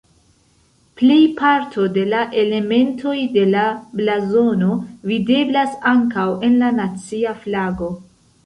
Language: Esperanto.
Plejparto de la elementoj de la blazono videblas ankaŭ en la nacia flago.